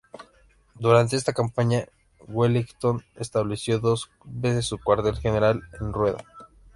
Durante esta campaña Wellington estableció dos veces su cuartel general en Rueda.